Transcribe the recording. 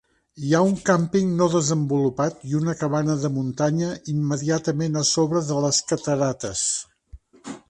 Hi ha un càmping no desenvolupat i una cabana de muntanya immediatament a sobre de les catarates.